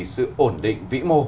sự ổn định vĩ mô